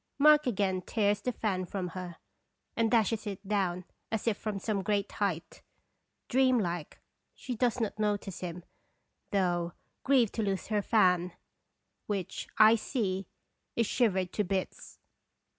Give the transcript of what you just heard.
Mark again tears the fan from her, and dashes it down as if from some great height. Dream like, she does not notice him, though grieved to lose her fan, which, I see, is shivered to bits.